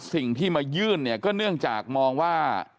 สิ่งที่มายื่นเนี่ยก็เนื่องจากมองว่า